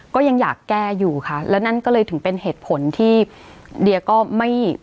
ก็ยังอยากแก้อยู่ค่ะแล้วนั่นก็เลยถึงเป็นเหตุผลที่เดียก็ไม่